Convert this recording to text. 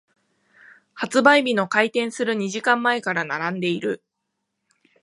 発売日の開店する二時間前から並んでいる。